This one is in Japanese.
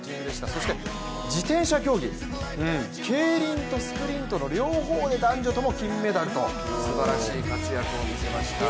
そして自転車競技、ケイリンとスプリントの両方で、男女とも、金メダルとすばらしい活躍を見せました。